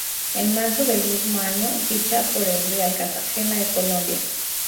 En marzo del mismo año ficha por el Real Cartagena de Colombia.